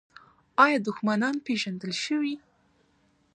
آیا دښمنان پیژندل شوي؟